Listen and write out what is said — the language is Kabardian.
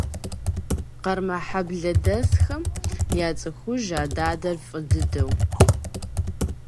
Къармэхьэблэдэсхэм яцӏыхуж а дадэр фӏы дыдэу.